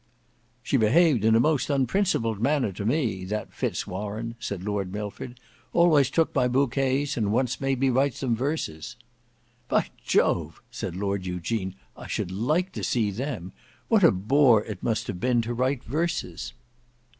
"She behaved in a most unprincipled manner to me—that Fitz Warene," said Lord Milford, "always took my bouquets and once made me write some verses." "By Jove!" said Lord Eugene, "I should like to see them. What a bore it must have been to write verses."